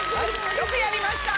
よくやりました！